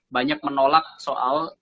banyak menolak soal